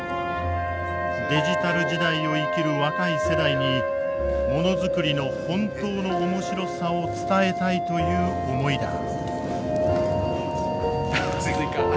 デジタル時代を生きる若い世代にものづくりの本当の面白さを伝えたいという思いだ。